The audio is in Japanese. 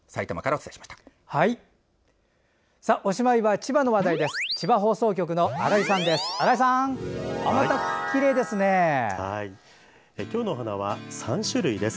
おしまいは千葉の話題です。